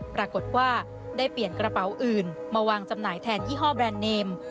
ปรากฏว่าได้เปลี่ยนกระเป๋าอื่นมาวางจำหน่ายแทนยี่ห้อแรนดเนม